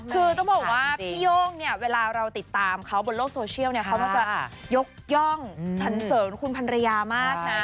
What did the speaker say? คือต้องบอกว่าพี่โย่งเนี่ยเวลาเราติดตามเขาบนโลกโซเชียลเนี่ยเขาจะยกย่องสันเสริญคุณพันรยามากนะ